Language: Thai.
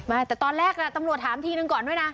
แต่ตอนแรกตำรวจถามทีนึงก่อนด้วยนะ